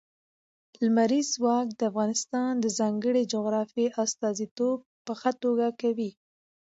لمریز ځواک د افغانستان د ځانګړي جغرافیې استازیتوب په ښه توګه کوي.